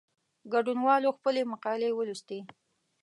ګډونوالو خپلي مقالې ولوستې.